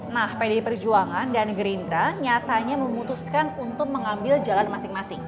nah pdi perjuangan dan gerindra nyatanya memutuskan untuk mengambil jalan masing masing